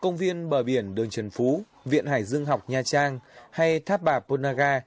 công viên bờ biển đơn trần phú viện hải dương học nha trang hay tháp bà pôn nga